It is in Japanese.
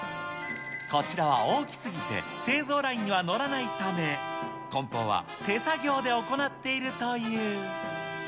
こちらは大きすぎて製造ラインには乗らないため、こん包は手作業で行っているという。